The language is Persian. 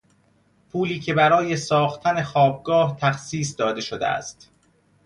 پولی که برای ساختن خوابگاه تخصیص داده شده است